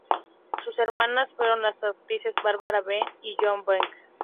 Sus hermanas fueron las actrices Barbara Bennett y Joan Bennett.